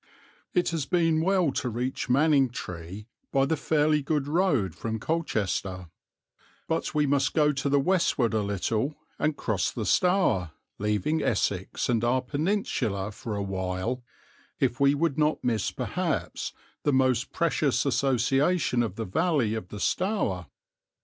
It has been well to reach Manningtree by the fairly good road from Colchester; but we must go to the westward a little, and cross the Stour, leaving Essex and our peninsula for a while if we would not miss perhaps the most precious association of the valley of the Stour.